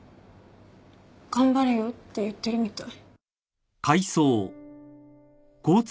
頑張れよ」って言ってるみたい。